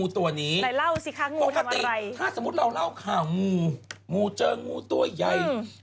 ตกเลย